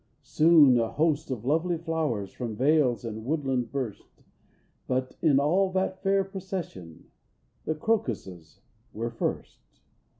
Soon a host of lovely flowers From vales and woodland burst; But in all that fair procession The crocuses were first.